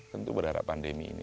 tentu berharap pandemi ini